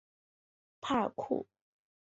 帕尔库。